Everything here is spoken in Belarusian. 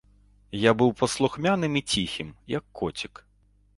Я быў паслухмяным і ціхім, як коцік.